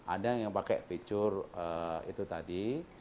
ada yang pakai fitur itu tadi